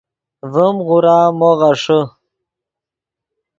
ڤیم غورا مو غیݰے